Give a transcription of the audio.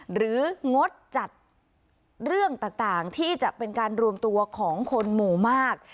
งดจัดเรื่องต่างที่จะเป็นการรวมตัวของคนหมู่มาก